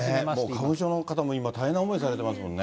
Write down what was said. もう花粉症の方も今、大変な思いされてますもんね。